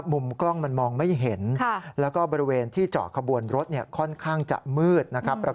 มุมกล้องมันมองไม่เห็นและก็บริเวณที่เจาะขบวนรถค่อนข้างจะมืด